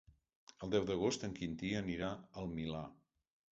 El deu d'agost en Quintí anirà al Milà.